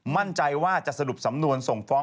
มั่นใจว่าจะสรุปสำนวนส่งฟ้อง